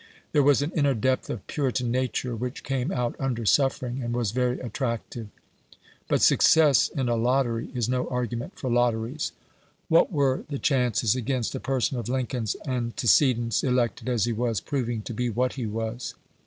There was an inner depth of Puritan nature which came out under suffering, and was very attractive. But success in a lottery is no argument for lotteries. What were the chances against a person of Lincoln's antecedents, elected as he was, proving to be what he was?